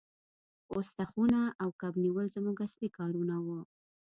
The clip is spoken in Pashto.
پوسته خونه او کب نیول زموږ اصلي کارونه وو